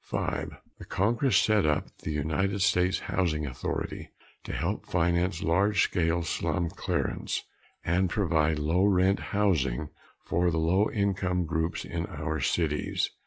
(5) The Congress set up the United States Housing Authority to help finance large scale slum clearance and provide low rent housing for the low income groups in our cities.